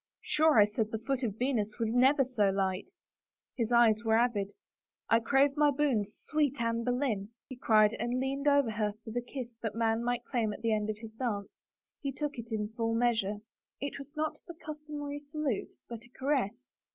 " Sure, I said the foot of Venus was never so light." His eyes were avid. " I crave my boon, sweet Anne Boleyn," he cried and leaned over her for the kiss that man might claim at the end of his dance. He took it in full measure. It was not the customary salute, but a caress.